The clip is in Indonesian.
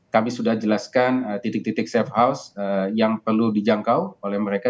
kami sudah jelaskan titik titik safe house yang perlu dijangkau oleh mereka